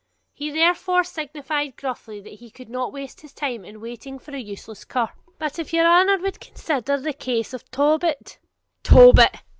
He therefore signified gruffly that he could not waste his time in waiting for an useless cur. 'But if your honour wad consider the case of Tobit ' 'Tobit!'